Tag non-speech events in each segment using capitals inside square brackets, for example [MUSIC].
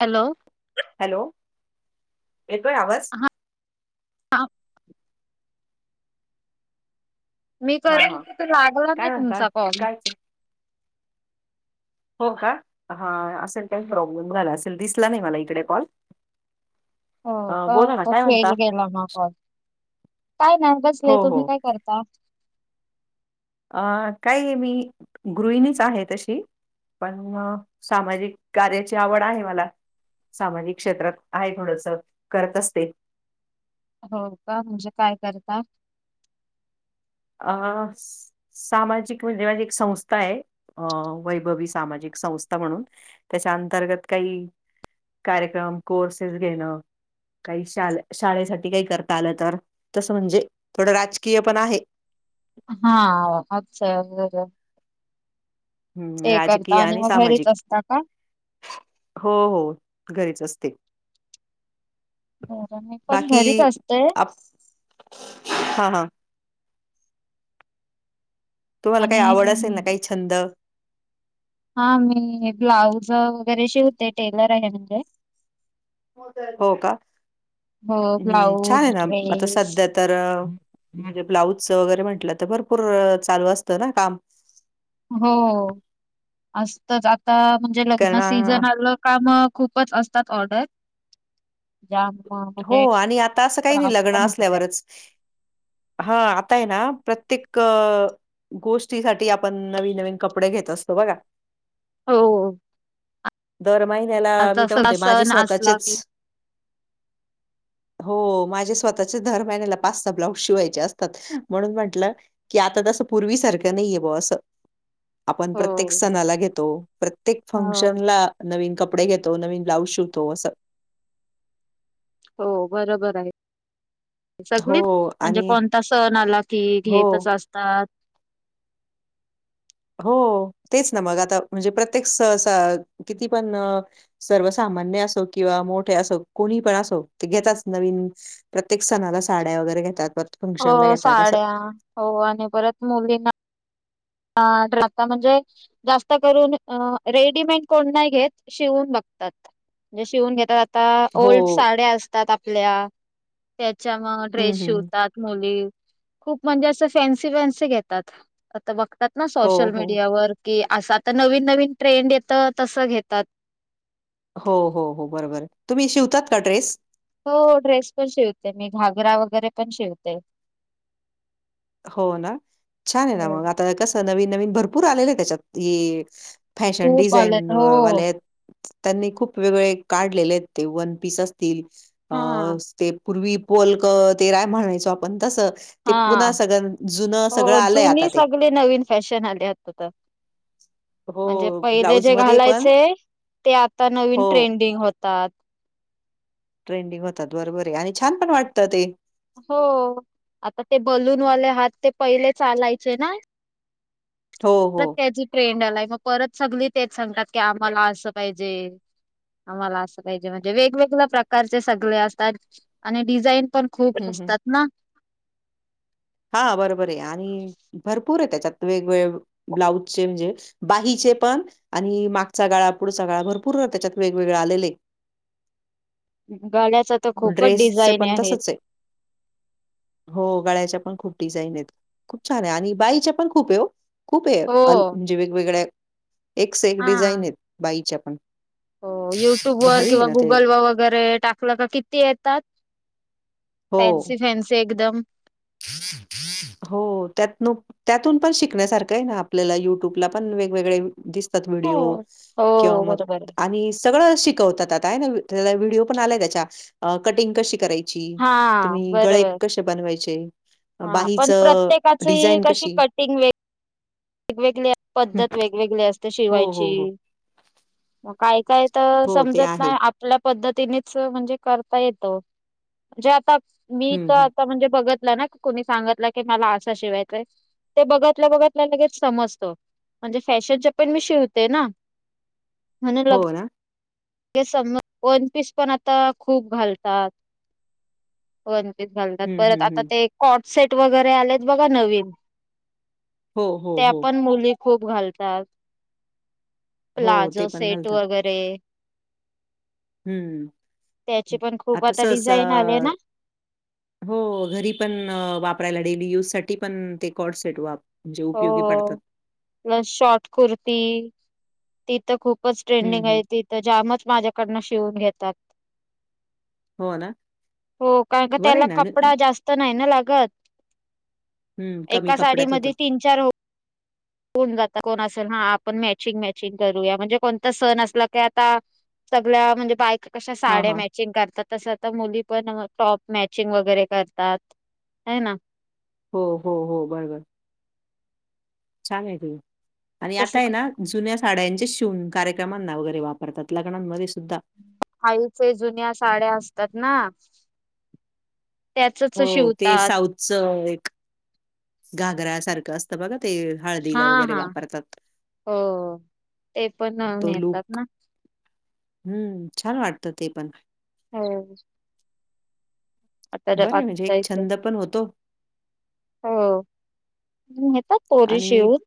Hello, hello येतोय आवाज? हा हा, मी हा करेन हा तर लागला काय नाही म्हणता तुमचा कॉल. काय च- हो का हा असेल काही प्रॉब्लेम झाला असेल नाही मला इकडे कॉल. हो अ का बोला ना तो काय फेक म्हणता गेला मग काॅल काय नाही हो बसले हो तुम्ही काय करता? अ काय आहे मी गृहिणीच आहे तशी, पण सामाजिक कार्याची आवड मला! सामाजिक क्षेत्रात आहे थोडंस करत असते. हो का म्हणजे काय करता? अस सामाजिक म्हणजे माझी एक संस्था आहे. अ वैभवी सामाजिक संस्था म्हणून, त्याच्या अंतर्गत काही कार्यक्रम, कोर्सेस घेणं. काही शाल शाळेसाठी काही करता आलं तर तसं म्हणजे थोडं राजकीय पण आहे. हा अच्छा निघाल, राजकीय करता आणि मग सामाजिक, घरीच असता का? हो हो घरीच असते. बरं मी पण बाकी घरीच असते आप हा हा, तुम्हाला काही आणि आवड असेल ना काही छंद? हा मी ब्लाऊज वगैरे शिवते टेलर आहे म्हणजे! हो का हो छान ब्लाऊज आहे ना आता ड्रेस सध्या, तर म्हणजे ब्लाऊजच वगैरे म्हटलं तर भरपूर चालू असतं ना काम. हो असतच आता म्हणजे कारण लग्न सीझन आलं. काम खूपच असतात ऑर्डर! ज्या म, हो आणि आता असं काही नाही लग्न त्यात. असल्यावरच! हा आता आहे ना प्रत्येक, गोष्टींसाठी आपण नवीनवीन कपडे घेत असतो बघा, हो दर महिन्याला मी आता तर सगळा म्हणते माझे सण असला स्वतःचेच! की हो माझ्या स्वतःच्या दर महिन्याला पाच सहा ब्लाउज शिवायचे असतात म्हणून म्हटलं. की आता तसं पूर्वीसारखं नाही आहे बुआ असं. आपण हो. प्रत्येक सणाला घेतो प्रत्येक हो. फंक्शनला, नवीन कपडे घेतो नवीन ब्लाऊज शिवतो असं? हो बरोबर आहे? हो सगळीच म्हणजे आणि कोणता सण की हो, घेतच असणार. हो तेच ना मग आता म्हणजे प्रत्येक सहसहा किती पण अ. सर्वसामान्य असो किंवा मोठे असो कोणी पण असो ते घेताच नवीन. प्रत्येक सणाला साड्या वगैरे घेतात, फंक्शनला हो घेतात असं. साड्या हो आणि परत मुलींना, आ ट्रान्झा म्हणजे? जास्त करून रेडीमेड कोण नाही घेत शिवून बघतात. जे शिवून घेतात. आता ओल्ड हो. साड्या असतात आपल्या त्याच्या मग हं, ड्रेस हं. शिवतात. मुली खूप म्हणजे असं फॅन्सी-फॅन्सी घेतात आता बघ. ना हो, सोशल हो. मीडियावर की असं आता नवीन-नवीन ट्रेंड येतं तसं घेतात. हो-हो-हो बरोबर तुम्ही शिवतात का ड्रेस? हो ड्रेस पण शिवते मी घागरा वगैरे पण शिवते. हो ना छान आहे ना हो. मग आता कसं नवीन-नवीन भरपूर आलेले आहे त्याच्यात फॅशन खूप आलेत डिझाईन हो वाले त्यांनी खूप वेगळे काढलेलेत ते वन पीस असतील अ हा. ते पूर्वी पोलक ते राय म्हणायचो आपण तसं. हा. सग जुनं सगळं आलंय आता ते. ती नवीन फॅशन आले आता तर. म्हणजे हो, पहिले जे ब्लाऊजमध्ये पण घालायचे ते आता नवीन हो, ट्रेंडिंग होतात. ट्रेंडिंग होतात बरोबर आहे आणि छान पण वाटतं ते. हो आता ते बलून वाले हात ते पहिले चालायचे ना. [UNINTELLIGIBLE] हो, हो. ट्रेंड आलाय मग परत सगली तेच सांगतात की आम्हाला असं पाहिजे. आम्हाला असं पाहिजे म्हणजे वेगवेगळ्या प्रकारचे सगळे असतात आणि डिझाईन पण खूप हं, हं. असतात ना. हा बरोबर आहे आणि भरपूर आहे त्याच्यात वेगवेग ब्लाऊजचे म्हणजे बाहीचे पण. आणि मागचा गाळा पुढचा गाळा भरपूर त्याच्यात वेगवेगळे आलेले. गळ्याचा तर खूपच ड्रेसचे डिझाईन पण तसंच आहेत. आहे. हो गळ्याच्या पण खूप डिझाईन आहेत खूप छान आहे आणि बाईच्या पण खूप ओ. खूप आहे हो म्हणजे वेगवेगळ्या एक से एक डिझाईन आहेत बाईच्या पण. हो युट्यूब वर भारी आहे किंवा ना ते. गुगल व वगैरे टाकलं का किती येतात. हो, फॅन्सी-फॅन्सी एकदम. हो त्यात नु त्यातून पण शिकण्यासारखे आहे आपल्याला युट्यूबला पण वेगवेगळे. दिसतात हो व्हिडिओ किंवा हो मग बरोबर आहे आणि सगळं शिकवतात. काय नाही त्या व्हिडिओ पण आलाय त्याच्या कटिंग कशी करायची. हा तुम्ही गळे बरोबर. कसे बनवायचे? हा पण बाहीचं प्रत्येकाची डिझाईन कशी? कटिंग वेगवेगळी हं, पद्धत वेगवेगळी असते हो, शिवायची. हो, हो. मग काय-काय तर हो, ते समजत आहे. नाही आप आपल्या पद्धतीनेच म्हणजे करता येतो म्हणजे आता. मी हं, तर हं. आता म्हणजे बघत कुणी सांगितलं की मला असं शिवायचंय ते बघतल्या बघत ना लगेच. समजत म्हणजे फॅशन पण मी शिवते ना. हो रा स वन पीस पण आता खूप घालतात. वन पीस घालतात हं, परत हं, आता हं. ते कॉट सेट वगैरे आलेत बघा नवीन. हो, हो, त्या हो. पण मुली खूप घालतात. हो, ते प्लाजो पण सेट घालतात. वगैरे हम्म त्याची पण खूप आता सहसा डिझाईन आले ना हो घरी पण वापरायला डेली यूज साठी पण ते कॉर्ड सेट वा हो न शॉर्ट कुर्ती ती त खूप खूपच हं, ट्रेंडिंग हं. आहे, ते तर जामच माझ्याकडनं शिवून घेतात. हो ना? हो कार का बरं त्याला आहे ना? कपडा जास स्त नाही ना लागत, हं, कमी एका साडी कपड्यात मध्ये होतं. तीन चार हो होऊन जात कोण असल हा आपण मॅचिंग मॅचिंग करूया, म्हणजे कोणत सण असला की आता सगळ्या म्हणजे बायका कशा हां, साड्या हां. मॅ चिंग करतात, तस आता मुली पण टॉप मॅचिंग वगैरे करतात हे ना. हो हो हो बरोबर छान आहे ते आणि तस आता आहे ना जुन्या साड्यांचे शिवून कार्यक्रमांना वगैरे वापरतात लग्नांमध्ये सुद्धा. आईचे जुन्या साड्या असतात ना. त्याचच हो ते शिवतात साऊथच एक घागरा सारखं असतं बघा ते हा हळदीला वगैरे हा वापरतात, हो ते पण तो नेतात लूक. ना हम्म छान वाटतं ते पण. हो आता बरं आहे म्हणजे एक [UNINTELLIGIBLE] छंद पण होतो होे नेतात पोरी आणि शिऊन.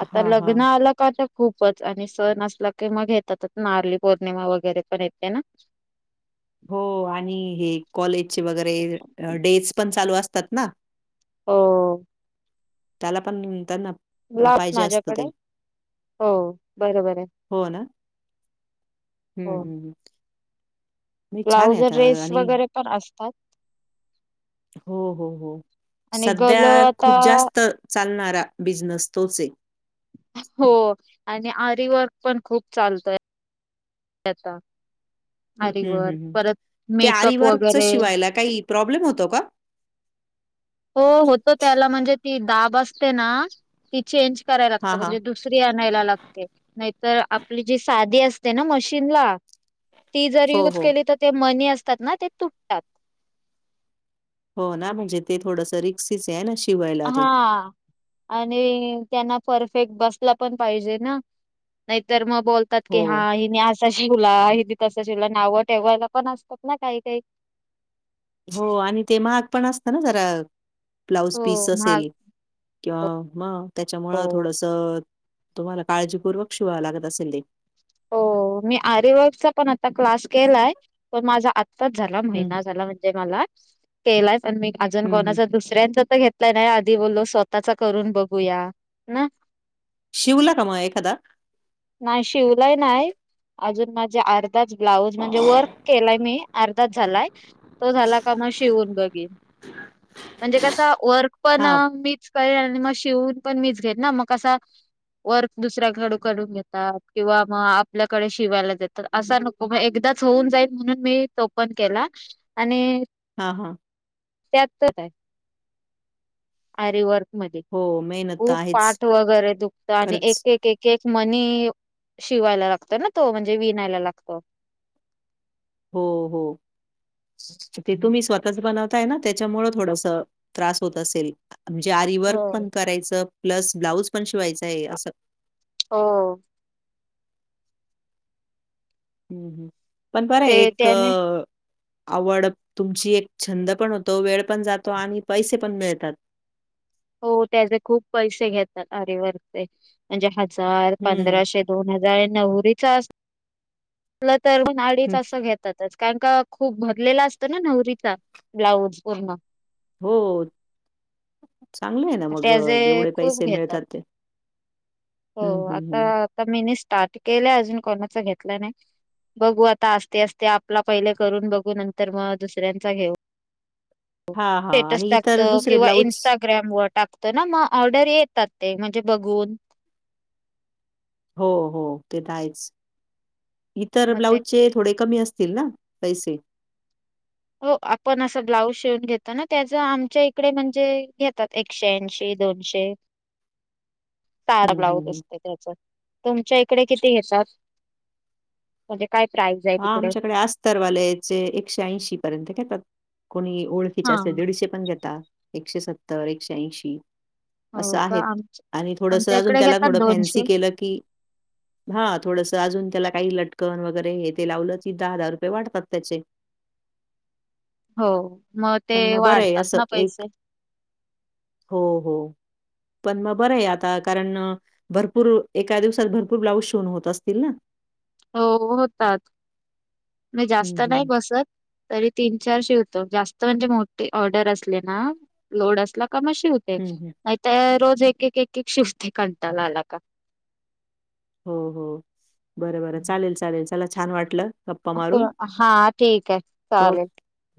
आता हां, लग्न हां. आलं का त खूपच आणि सण असला की मग घेतात नारली पौर्णिमा वगैरे पण येते ना. हो आणि हे कॉलेजचे वगैरे डेज पण चालू असतात ना. हो त्याला पण त्यांना ब्लाउज पाहिजे असत माझ्याकडे ते, हो बरोबर आहे. हो ना हम्म हम्म हम्म ब्लाउजअ ड्रेस आणि वगैरे पण असतात. हो हो हो आणि सध्या गल आता खूप जास्त चालणारा बिझनस तोच ये. हो आणि आरीवर्क पण खूप चालतोय आता. आरी हं वर्क हं हं. परत ते मेकअप आरीवर्कच वगैरे शिवायला काही प्रॉब्लेम होतो का? हो होतो त्याला म्हणजे ती दाब असते ना, ती चेंज करायला लागते हां हां. म्हणजे दू सरी आणायला लागते, नाहीतर आपली जी साधी असते ना मशीनला ती जर हो युज हो. केली, तर ते मनी असतात ना ते तुटतात. हो ना म्हणजे ते थोडंस री सीसी आहे न शिवाय हा आणि त्यांना परफेक्ट बसला पण पाहिजे ना, नाहीतर मग बोल तात की हो. हा हिने असा शिवला हिने तसां शिवला नावं ठेवायला पण असतात ना काही काही हो आणि ते महाग पण असत ना जरा ब्लाऊज हो पीस महाग असेल किंवा मग त्याच्यामुळ हो थोडस तुम्हाला काळजीपूर्वक शिवाव लागत असेल ते. हो मी अरीवर्कचा पण आता क्लास केलाय, पण माझा आ झाला हं. महिना झाला म्हणजे मला केलाय पण मी अजून हं हं. कोणाच दुसऱ्यांच तर घेत नाही आधी बोललो स्वतःचा करून बघूया ना? शिवला का मग एखादा? नाही शिवलाय नाय. अजून माझे आड अर्धाच ब्लाउज म्हणजे वर्क केलाय मी अर्धाच झालाय. तो झाला का म शिवून बघीन. म्हणजे कसा वर्क पण हां. मीच करेन आणि मग शिवून पण मीच घेत ना मग का वर्क दुसऱ्या कडून करून घेतात. किंवा मग आपल्याकडे शिवायला देता असा नको, मग एकदाच होऊन जाईल म्हणून मी तोपन केला. आणि हा हा. त्यात पण आहे आरीवर्क मध्ये हो मेहनत तर खूप आहेच. पाठ वगैरे दुखत आणि खरंच. एक एक क एक मनी शिवायला लागतो ना तो म्हणजे विनायला लागतो. हो हो. ते तुम्ही स्वतःच बनवताय ना त्याच्यामुळ थोडस त्रास होत असेल. म्हणजे आरी वर्क हो पण करायचं प्लस ब्लाउज पण शिवायचं आहे असं. हो. हम् हम् पण बरं ते एक त्याने आवड तुमची एक छंद पण होतो, वेळ पण जातो, आणि पैसे पण मिळतात. हो त्याचे खूप पैसे घेतात आरीवर्कचे म्हणजे हजार, हं, पंधराशे दोन हजार नवरीच असल तर म अडीच हं. अस घेत तच कारण का खूप भरलेलं असत ना नवरीचा ब्लाऊज पूर्ण. हो. चांगलं आहे ना मग त्याचे एवढे खूप पैसे घेतात मिळतात ते. हम्म हम् हम्म. तर मी स्टार्ट केलं अजून कोणाच घेतला नाही बघू आता असस्ते असते आपला पहिले करून बघू नंतर मग दुसऱ्यांचा घेऊ. हां, हां. स्टेटस आणि इतर टाकतो दुसरे किंवा ब्लाउज इन्स्टा ग्रॅम वर टाकतो ना मग ऑर्डर येतात ते म्हणजे बघून. हो हो ते तर आहेच इतर मग ते ब्लाऊजचे थोडे कमी असतील ना? पैसे? हो आपण असं ब्लाऊज शिवून घेतो ना त्याच आमच्या इकडे म्हणजे घेतात एक एकशे ऐंशी, दोनशे. ताड हं, हं, ब्लाऊज हं. असते त्याच. तुमच्या इकडे किती घेतात? म्हणजे काय प्राईज आहे? हा तिकडे? आमच्याकडे अस्तरवाल्याचे एकशे ऐंशी पर्यंत घेतात कोणी ओळ खीचे हा असते दीडशे पण घेता एकशे सत्तर एकशे ऐंशी. असं हो का आहेत. आम आणि थोडस आमच्या अजून इकडे त्याला घेतात थोडं दोनशे. फॅन्सी केलं की हा थोडसं अजून त्याला काही लटकन वगैरे हेत ते लावलं की दहा दहा रुपये वाटतात त्याचे. हो मग ते पण बरं आहे वाढतात असं ना एक पैसे. हो हो पण मग बरं आहे आता कारण भरपूर एका दिवसात भरपूर ब्लाऊज शिऊन होत असतील ना? हो होतात मी हं, जास्त नाही हं. बसत. तरी तीन चार शिवतो जास्त म्हणजे मोठी ऑर्डर असले ना लोड असला का मग शिवते हं, हं. नाही तर रोज एक एक एक शिवते कंटाला आला का. हं हं बरं बरं चालेल चालेल चला छान वाटलं. गप्पा मारून. [UNINTELLIGIBLE] हां ठीक हाय हो, चालेल.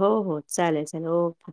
हो हो चालेल चालेल ओके.